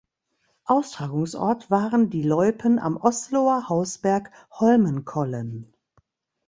Austragungsort waren die Loipen am Osloer Hausberg Holmenkollen.